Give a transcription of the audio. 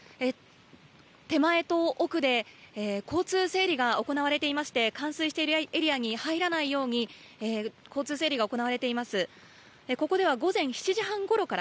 手前と奥で交通整理が行われていまして冠水しているエリアに入らないように交通整理が行われています。